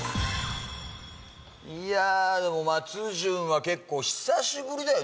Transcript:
いやあでも松潤は結構久しぶりだよね？